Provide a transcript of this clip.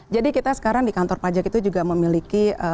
jadi kita sekarang di kantor pajak itu juga memiliki